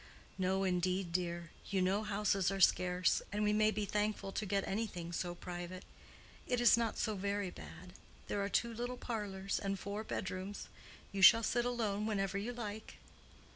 "No, indeed, dear. You know houses are scarce, and we may be thankful to get anything so private. It is not so very bad. There are two little parlors and four bedrooms. You shall sit alone whenever you like."